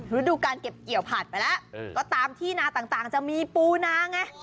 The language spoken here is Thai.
ฤดูการเก็บเกี่ยวผัดไปแล้วก็ตามที่นาต่างจะมีปูนาไง